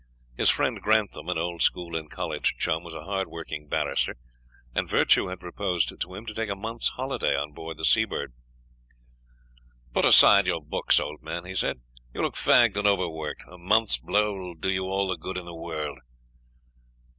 His friend Grantham, an old school and college chum, was a hard working barrister, and Virtue had proposed to him to take a month's holiday on board the Seabird. "Put aside your books, old man," he said. "You look fagged and overworked; a month's blow will do you all the good in the world."